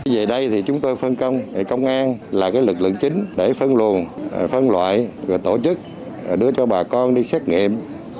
về đây thì chúng tôi phân công công an là lực lượng chính để phân luồn phân loại và tổ chức đưa cho bà con đi xét nghiệm